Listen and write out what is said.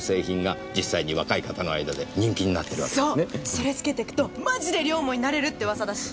それつけてくとマジで両思いになれるって噂だし。